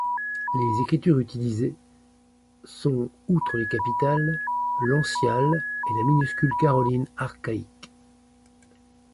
Les écritures utilisées sont, outre les capitales, l'onciale et la minuscule caroline archaïque.